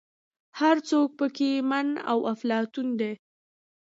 هر څوک په کې من او افلاطون دی.